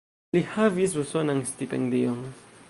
Li havis usonan stipendion.